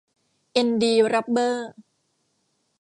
เอ็น ดี รับเบอร์